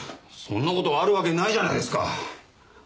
そんな事があるわけないじゃないですか！